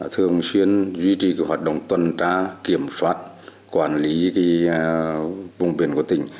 thường xuyên duy trì hoạt động tuần tra kiểm soát quản lý vùng biển của tỉnh